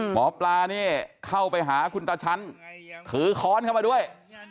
หมอปลานี่เข้าไปหาคุณตาชั้นถือค้อนเข้ามาด้วย